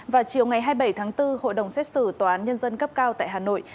vào chiều ngày hai mươi bảy tháng bốn hội đồng xét xử tòa án nhân dân cấp cao tại hà nội